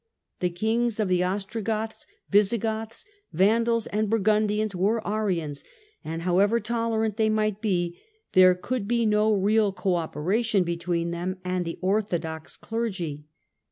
The kings of the Ostrogoths, Visigoths, Vandals and Burgundians were Arians, and however tolerant they might be, there could be no real co operation between them and the orthodox clergy.